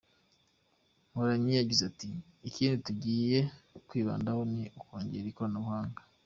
Mporanyi yagize ati “Ikindi tugiye kwibandaho ni ukongera ikoranabuhanga.